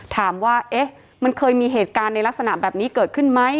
ถามว่าเอ๊ะมันเคยมีเหตุการณ์ในลักษณะแบบนี้เกิดขึ้นไหม